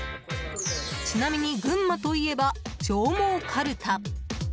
ちなみに群馬といえば上毛かるた。